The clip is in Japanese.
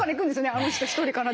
あの人１人かな？